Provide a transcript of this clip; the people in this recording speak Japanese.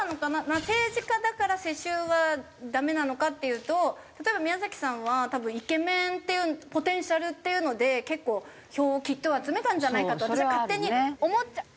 まあ政治家だから世襲はダメなのかっていうと例えば宮崎さんは多分イケメンっていうポテンシャルっていうので結構票をきっと集めたんじゃないかと私は勝手に思っちゃう。